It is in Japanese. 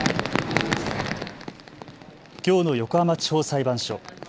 きょうの横浜地方裁判所。